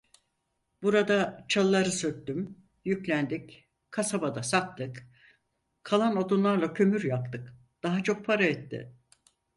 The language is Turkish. Burada çalıları söktüm, yüklendik, kasabada sattık; kalan odunlarla kömür yaktık, daha çok para etti.